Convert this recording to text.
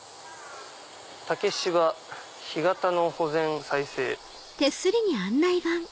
「竹芝干潟の保全・再生」。